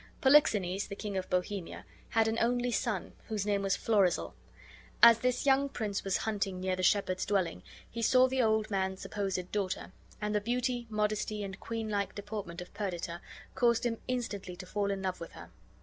Polixenes, the King of Bohemia, had an only son, whose name was Florizel. As this young prince was hunting near the shepherd's dwelling he saw the old man's supposed daughter; and the beauty, modesty, and queenlike deportment of Perdita caused him instantly to fall in love with her.